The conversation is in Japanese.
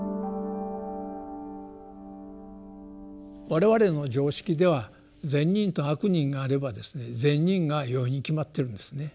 我々の常識では「善人」と「悪人」があればですね「善人」がよいに決まってるんですね。